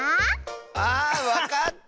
あわかった！